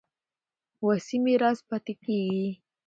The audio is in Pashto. وصي میراث پاتې کېږي.